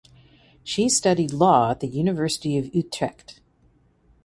She studied law at the University of Utrecht.